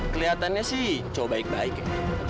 kelihatannya sih coba baik baik ya